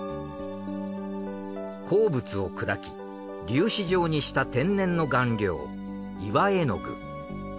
鉱物を砕き粒子状にした天然の顔料岩絵具。